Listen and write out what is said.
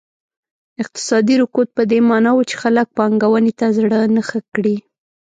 اقتصادي رکود په دې معنا و چې خلک پانګونې ته زړه نه ښه کړي.